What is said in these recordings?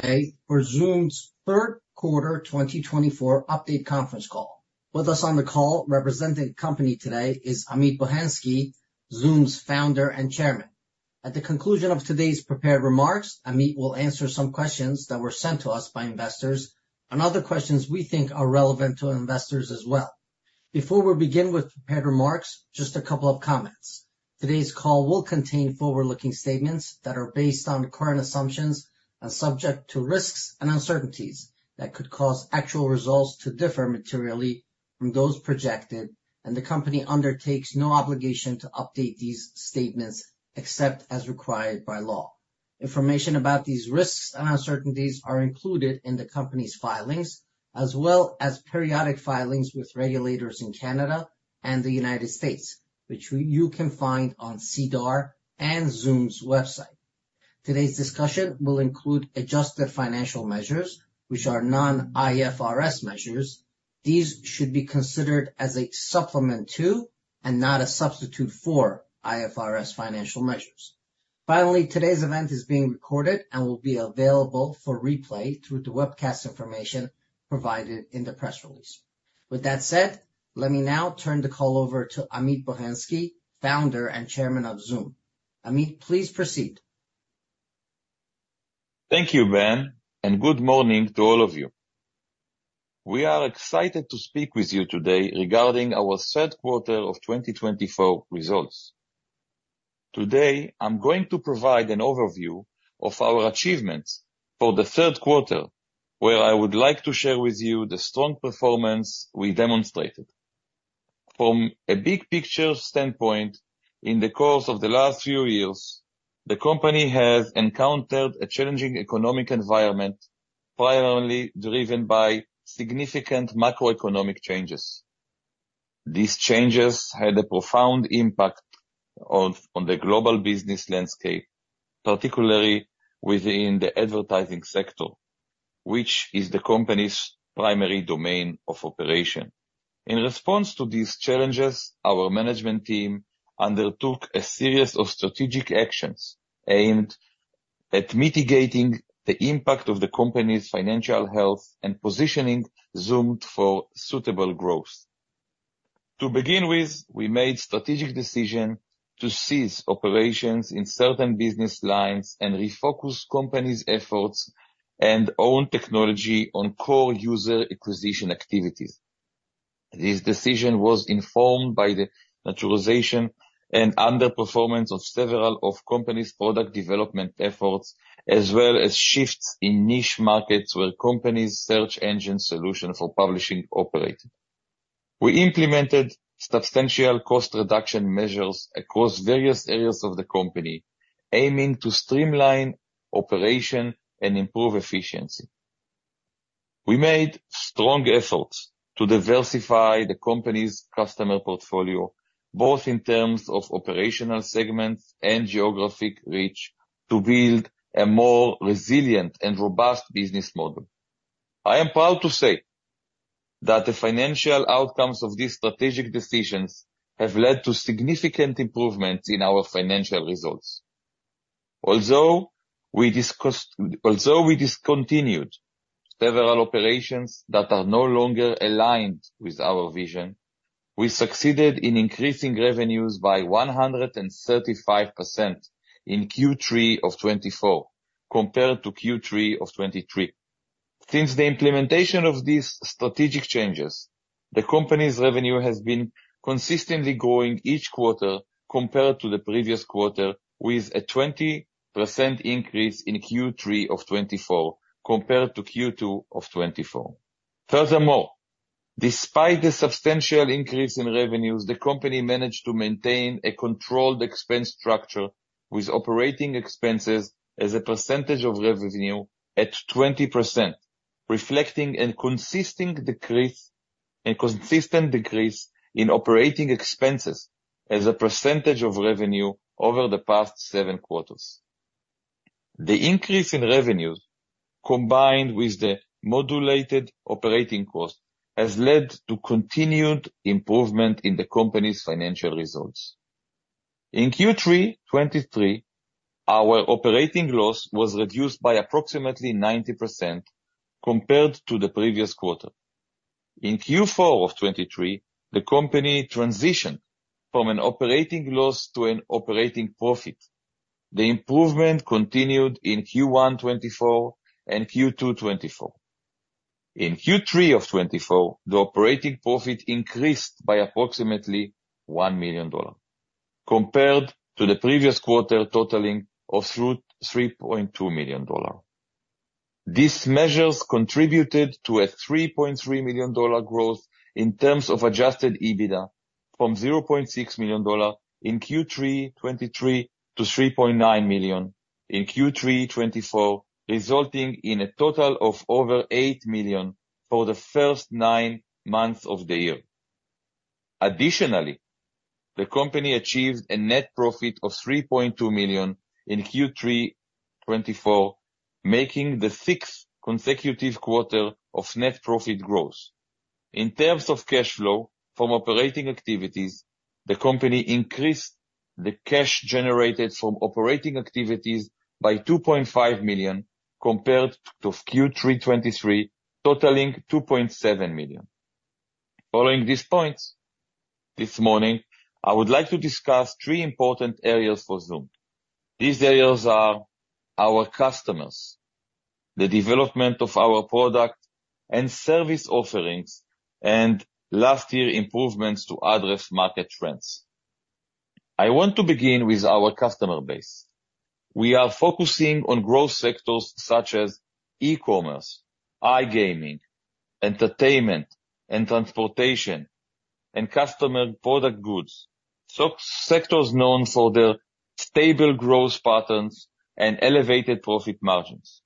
Welcome to Zoomd's Third Quarter 2024 Update Conference Call. With us on the call, representing the company today, is Amit Bohensky, Zoomd's founder and chairman. At the conclusion of today's prepared remarks, Amit will answer some questions that were sent to us by investors and other questions we think are relevant to investors as well. Before we begin with prepared remarks, just a couple of comments. Today's call will contain forward-looking statements that are based on current assumptions and subject to risks and uncertainties that could cause actual results to differ materially from those projected, and the company undertakes no obligation to update these statements except as required by law. Information about these risks and uncertainties are included in the company's filings, as well as periodic filings with regulators in Canada and the United States, which you can find on SEDAR and Zoomd's website. Today's discussion will include adjusted financial measures, which are non-IFRS measures. These should be considered as a supplement to and not a substitute for IFRS financial measures. Finally, today's event is being recorded and will be available for replay through the webcast information provided in the press release. With that said, let me now turn the call over to Amit Bohensky, founder and chairman of Zoomd. Amit, please proceed. Thank you, Ben, and good morning to all of you. We are excited to speak with you today regarding our Third Quarter of 2024 results. Today, I'm going to provide an overview of our achievements for the Third Quarter, where I would like to share with you the strong performance we demonstrated. From a big picture standpoint, in the course of the last few years, the company has encountered a challenging economic environment, primarily driven by significant macroeconomic changes. These changes had a profound impact on the global business landscape, particularly within the advertising sector, which is the company's primary domain of operation. In response to these challenges, our management team undertook a series of strategic actions aimed at mitigating the impact of the company's financial health and positioning Zoomd for suitable growth. To begin with, we made the strategic decision to cease operations in certain business lines and refocus the company's efforts and our own technology on core user acquisition activities. This decision was informed by the maturation and underperformance of several of the company's product development efforts, as well as shifts in niche markets where the company's search engine solution for publishing operated. We implemented substantial cost reduction measures across various areas of the company, aiming to streamline operations and improve efficiency. We made strong efforts to diversify the company's customer portfolio, both in terms of operational segments and geographic reach, to build a more resilient and robust business model. I am proud to say that the financial outcomes of these strategic decisions have led to significant improvements in our financial results. Although we discontinued several operations that are no longer aligned with our vision, we succeeded in increasing revenues by 135% in Q3 of 2024 compared to Q3 of 2023. Since the implementation of these strategic changes, the company's revenue has been consistently growing each quarter compared to the previous quarter, with a 20% increase in Q3 of 2024 compared to Q2 of 2024. Furthermore, despite the substantial increase in revenues, the company managed to maintain a controlled expense structure, with operating expenses as a percentage of revenue at 20%, reflecting a consistent decrease in operating expenses as a percentage of revenue over the past seven quarters. The increase in revenues, combined with the modulated operating cost, has led to continued improvement in the company's financial results. In Q3 2023, our operating loss was reduced by approximately 90% compared to the previous quarter. In Q4 of 2023, the company transitioned from an operating loss to an operating profit. The improvement continued in Q1 2024 and Q2 2024. In Q3 of 2024, the operating profit increased by approximately $1 million, compared to the previous quarter totaling $3.2 million. These measures contributed to a $3.3 million growth in terms of Adjusted EBITDA from $0.6 million in Q3 2023 to $3.9 million in Q3 2024, resulting in a total of over $8 million for the first nine months of the year. Additionally, the company achieved a net profit of $3.2 million in Q3 2024, making the sixth consecutive quarter of net profit growth. In terms of cash flow from operating activities, the company increased the cash generated from operating activities by $2.5 million compared to Q3 2023, totaling $2.7 million. Following these points this morning, I would like to discuss three important areas for Zoomd. These areas are our customers, the development of our product and service offerings, and last year's improvements to address market trends. I want to begin with our customer base. We are focusing on growth sectors such as e-commerce, iGaming, entertainment, and transportation, and customer product goods, sectors known for their stable growth patterns and elevated profit margins.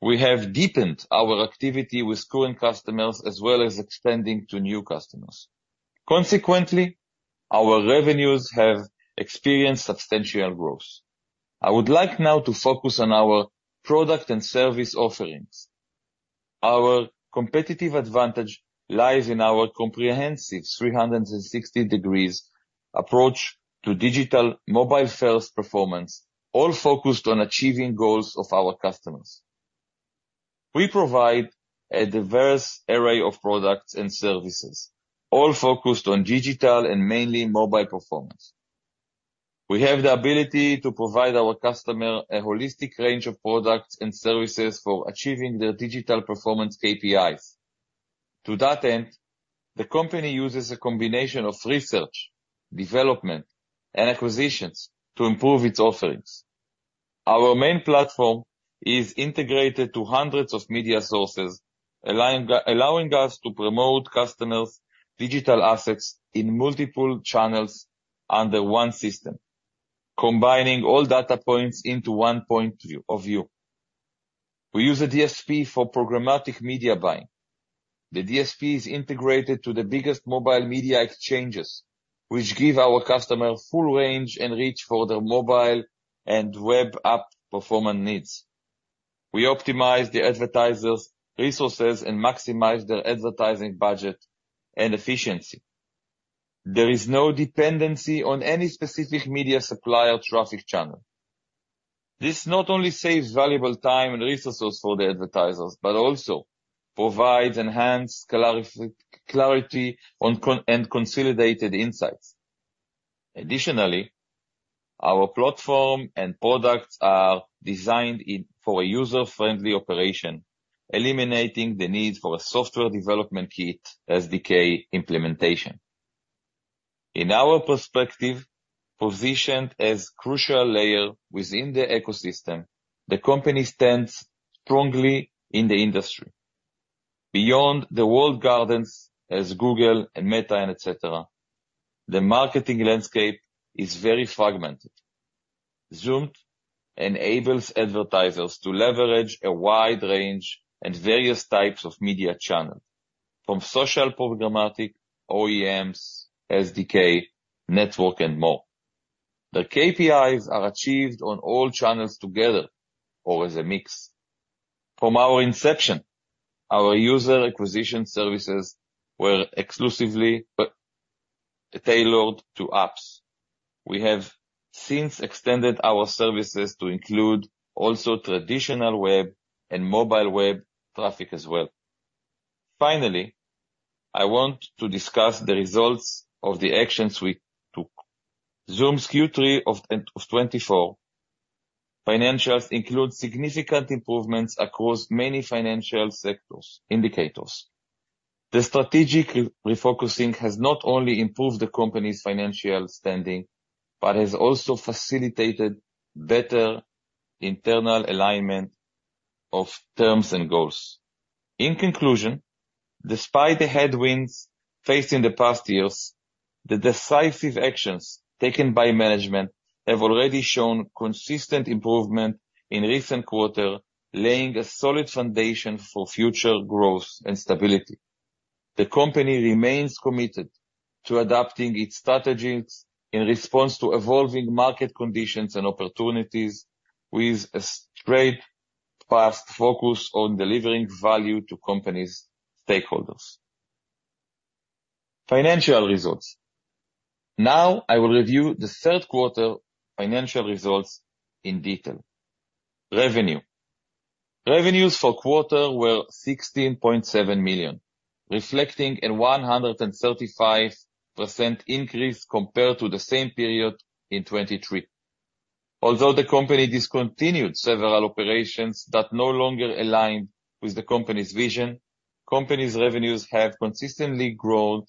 We have deepened our activity with current customers as well as extending to new customers. Consequently, our revenues have experienced substantial growth. I would like now to focus on our product and service offerings. Our competitive advantage lies in our comprehensive 360-degree approach to digital mobile-first performance, all focused on achieving the goals of our customers. We provide a diverse array of products and services, all focused on digital and mainly mobile performance. We have the ability to provide our customers a holistic range of products and services for achieving their digital performance KPIs. To that end, the company uses a combination of research, development, and acquisitions to improve its offerings. Our main platform is integrated to hundreds of media sources, allowing us to promote customers' digital assets in multiple channels under one system, combining all data points into one point of view. We use a DSP for programmatic media buying. The DSP is integrated to the biggest mobile media exchanges, which give our customers full range and reach for their mobile and web app performance needs. We optimize the advertisers' resources and maximize their advertising budget and efficiency. There is no dependency on any specific media supplier traffic channel. This not only saves valuable time and resources for the advertisers but also provides enhanced clarity and consolidated insights. Additionally, our platform and products are designed for a user-friendly operation, eliminating the need for a software development kit, SDK implementation. In our perspective, positioned as a crucial layer within the ecosystem, the company stands strongly in the industry. Beyond the walled gardens as Google and Meta, etc., the marketing landscape is very fragmented. Zoomd enables advertisers to leverage a wide range and various types of media channels, from social programmatic, OEMs, SDK, network, and more. The KPIs are achieved on all channels together or as a mix. From our inception, our user acquisition services were exclusively tailored to apps. We have since extended our services to include also traditional web and mobile web traffic as well. Finally, I want to discuss the results of the actions we took. Zoomd's Q3 of 2024 financials include significant improvements across many financial sectors indicators. The strategic refocusing has not only improved the company's financial standing but has also facilitated better internal alignment of terms and goals. In conclusion, despite the headwinds faced in the past years, the decisive actions taken by management have already shown consistent improvement in recent quarters, laying a solid foundation for future growth and stability. The company remains committed to adapting its strategies in response to evolving market conditions and opportunities, with a straight path focused on delivering value to companies' stakeholders. Financial results. Now, I will review the Third Quarter financial results in detail. Revenue. Revenues for Q4 were $16.7 million, reflecting a 135% increase compared to the same period in 2023. Although the company discontinued several operations that no longer aligned with the company's vision, the company's revenues have consistently grown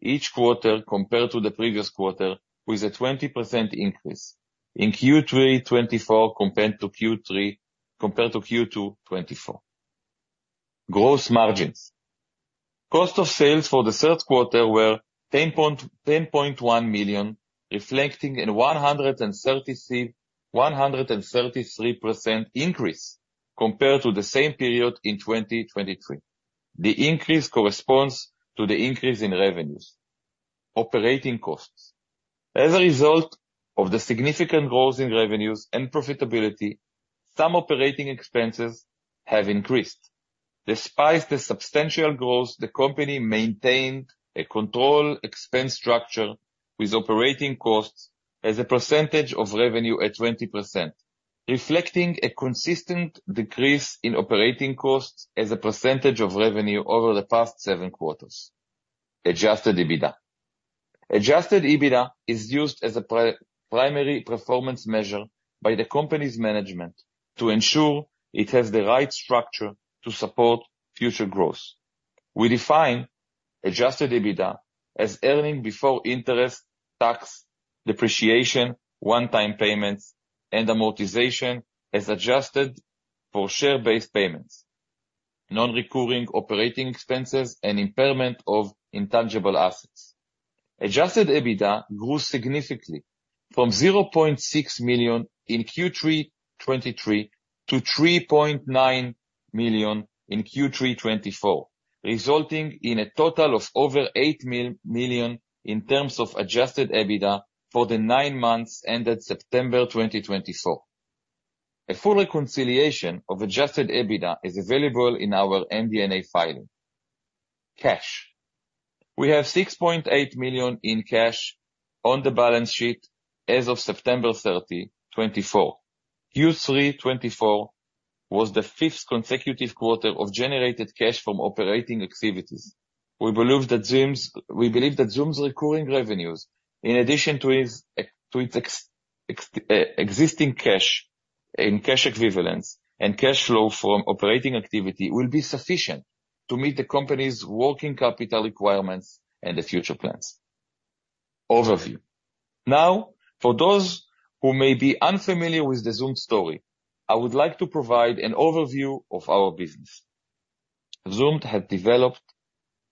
each quarter compared to the previous quarter, with a 20% increase in Q3 2024 compared to Q2 2024. Gross margins. Cost of sales for the Third Quarter were $10.1 million, reflecting a 133% increase compared to the same period in 2023. The increase corresponds to the increase in revenues. Operating costs. As a result of the significant growth in revenues and profitability, some operating expenses have increased. Despite the substantial growth, the company maintained a controlled expense structure with operating costs as a percentage of revenue at 20%, reflecting a consistent decrease in operating costs as a percentage of revenue over the past seven quarters. Adjusted EBITDA. Adjusted EBITDA is used as a primary performance measure by the company's management to ensure it has the right structure to support future growth. We define adjusted EBITDA as earnings before interest, tax, depreciation, one-time payments, and amortization as adjusted for share-based payments, non-recurring operating expenses, and impairment of intangible assets. Adjusted EBITDA grew significantly from $0.6 million in Q3 2023 to $3.9 million in Q3 2024, resulting in a total of over $8 million in terms of adjusted EBITDA for the nine months ended September 2024. A full reconciliation of adjusted EBITDA is available in our MD&A filing. Cash. We have $6.8 million in cash on the balance sheet as of September 30, 2024. Q3 2024 was the fifth consecutive quarter of generated cash from operating activities. We believe that Zoomd's recurring revenues, in addition to its existing cash and cash equivalents and cash flow from operating activities, will be sufficient to meet the company's working capital requirements and the future plans. Overview. Now, for those who may be unfamiliar with the Zoomd story, I would like to provide an overview of our business. Zoomd has developed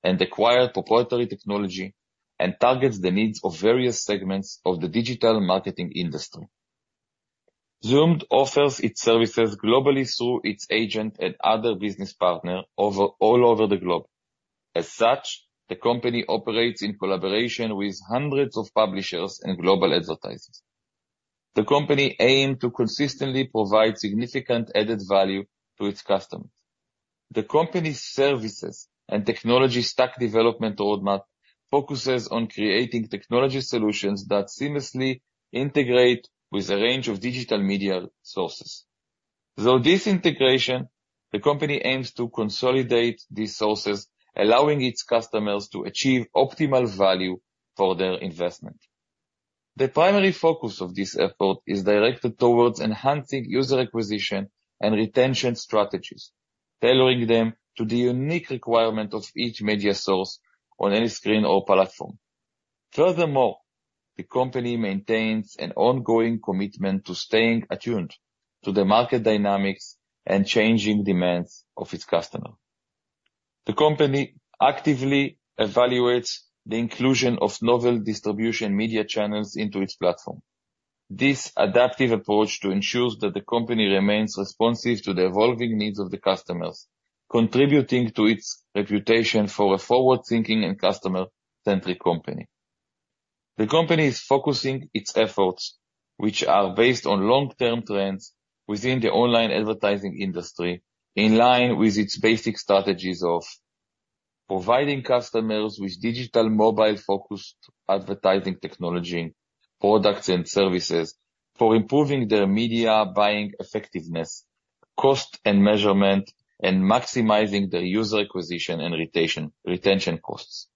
and acquired proprietary technology and targets the needs of various segments of the digital marketing industry. Zoomd offers its services globally through its agents and other business partners all over the globe. As such, the company operates in collaboration with hundreds of publishers and global advertisers. The company aims to consistently provide significant added value to its customers. The company's services and technology stack development roadmap focuses on creating technology solutions that seamlessly integrate with a range of digital media sources. Through this integration, the company aims to consolidate these sources, allowing its customers to achieve optimal value for their investment. The primary focus of this effort is directed towards enhancing user acquisition and retention strategies, tailoring them to the unique requirements of each media source on any screen or platform. Furthermore, the company maintains an ongoing commitment to staying attuned to the market dynamics and changing demands of its customers. The company actively evaluates the inclusion of novel distribution media channels into its platform. This adaptive approach ensures that the company remains responsive to the evolving needs of the customers, contributing to its reputation for a forward-thinking and customer-centric company. The company is focusing its efforts, which are based on long-term trends within the online advertising industry, in line with its basic strategies of providing customers with digital mobile-focused advertising technology products and services for improving their media buying effectiveness, cost and measurement, and maximizing their user acquisition and retention costs,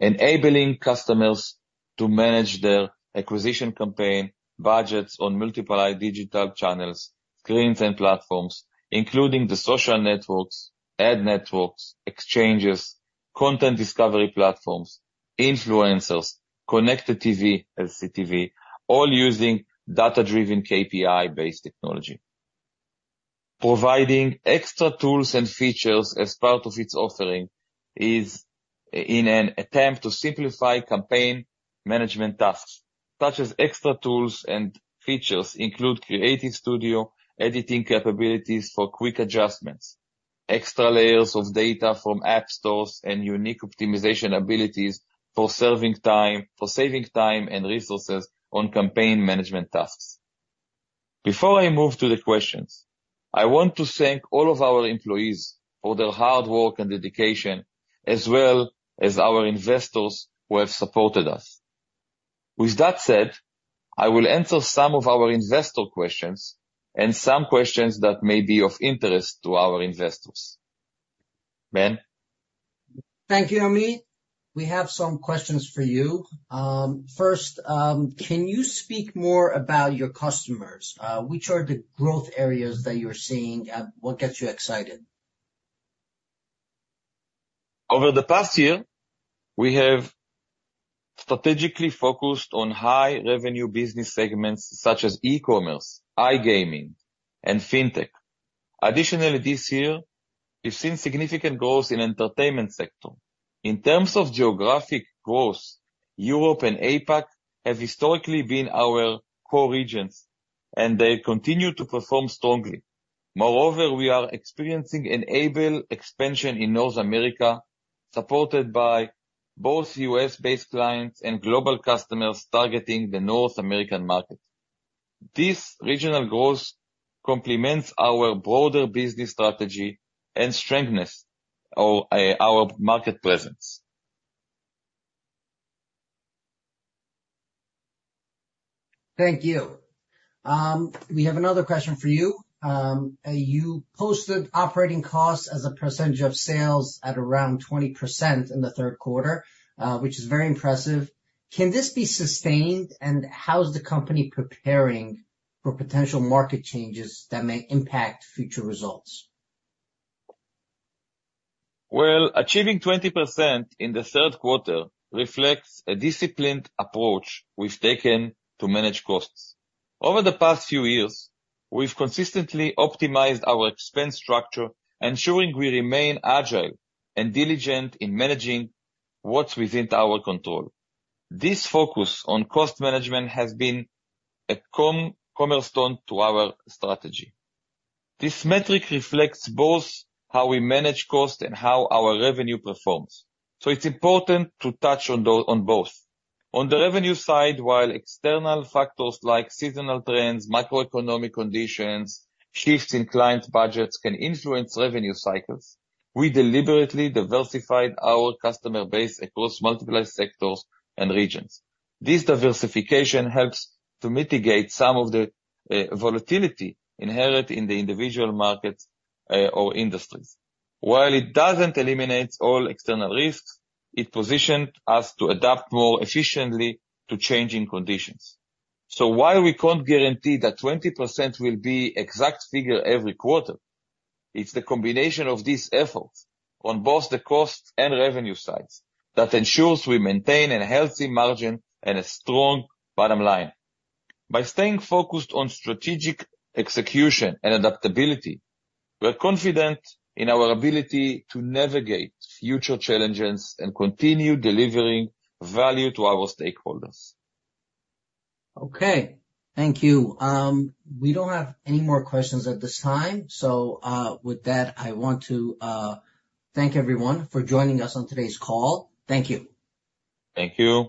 enabling customers to manage their acquisition campaign budgets on multiple digital channels, screens, and platforms, including the social networks, ad networks, exchanges, content discovery platforms, influencers, Connected TV, LCTV, all using data-driven KPI-based technology. Providing extra tools and features as part of its offering is in an attempt to simplify campaign management tasks, such as extra tools and features include Creative Studio editing capabilities for quick adjustments, extra layers of data from app stores, and unique optimization abilities for saving time and resources on campaign management tasks. Before I move to the questions, I want to thank all of our employees for their hard work and dedication, as well as our investors who have supported us. With that said, I will answer some of our investor questions and some questions that may be of interest to our investors. Ben. Thank you, Amit. We have some questions for you. First, can you speak more about your customers? Which are the growth areas that you're seeing? What gets you excited? Over the past year, we have strategically focused on high-revenue business segments such as e-commerce, iGaming, and fintech. Additionally, this year, we've seen significant growth in the entertainment sector. In terms of geographic growth, Europe and APAC have historically been our core regions, and they continue to perform strongly. Moreover, we are experiencing a stable expansion in North America, supported by both U.S.-based clients and global customers targeting the North American market. This regional growth complements our broader business strategy and strengthens our market presence. Thank you. We have another question for you. You posted operating costs as a percentage of sales at around 20% in the third quarter, which is very impressive. Can this be sustained, and how is the company preparing for potential market changes that may impact future results? Well, achieving 20% in the third quarter reflects a disciplined approach we've taken to manage costs. Over the past few years, we've consistently optimized our expense structure, ensuring we remain agile and diligent in managing what's within our control. This focus on cost management has been a cornerstone to our strategy. This metric reflects both how we manage costs and how our revenue performs. It's important to touch on both. On the revenue side, while external factors like seasonal trends, macroeconomic conditions, and shifts in client budgets can influence revenue cycles, we deliberately diversified our customer base across multiple sectors and regions. This diversification helps to mitigate some of the volatility inherent in the individual markets or industries. While it doesn't eliminate all external risks, it positioned us to adapt more efficiently to changing conditions. While we can't guarantee that 20% will be an exact figure every quarter, it's the combination of these efforts on both the cost and revenue sides that ensures we maintain a healthy margin and a strong bottom line. By staying focused on strategic execution and adaptability, we're confident in our ability to navigate future challenges and continue delivering value to our stakeholders. Okay. Thank you. We don't have any more questions at this time. So with that, I want to thank everyone for joining us on today's call. Thank you. Thank you.